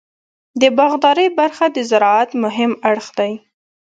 د باغدارۍ برخه د زراعت مهم اړخ دی.